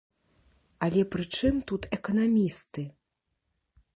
Але прычым тут эканамісты?